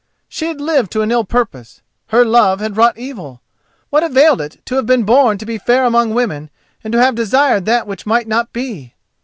She had lived to an ill purpose—her love had wrought evil! What availed it to have been born to be fair among women and to have desired that which might not be?